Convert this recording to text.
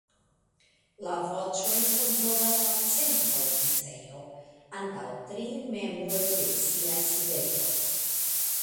La voĉojn kontrolas la Centra Oficejo, antaŭ tri membroj de sia sidejo.